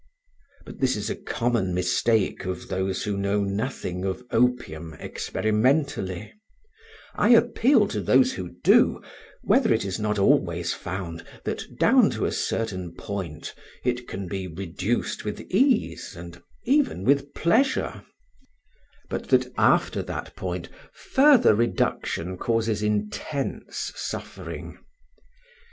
But this is a common mistake of those who know nothing of opium experimentally; I appeal to those who do, whether it is not always found that down to a certain point it can be reduced with ease and even pleasure, but that after that point further reduction causes intense suffering.